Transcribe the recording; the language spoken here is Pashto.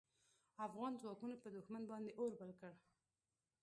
افغان ځواکونو پر دوښمن باندې اور بل کړ.